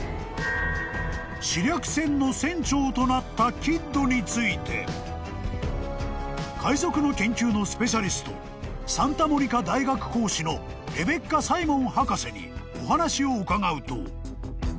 ［私掠船の船長となったキッドについて海賊の研究のスペシャリストサンタモニカ大学講師のレベッカ・サイモン博士にお話を伺うと］